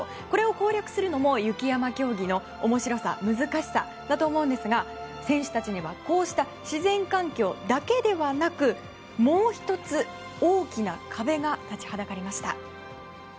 これを攻略するのも雪山競技の面白さ難しさだと思うんですが選手たちにはこうした自然環境だけでなくもう１つ、大きな壁が立ちはだかりました。